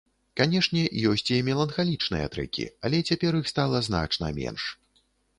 Канешне, ёсць і меланхалічныя трэкі, але цяпер іх стала значна менш.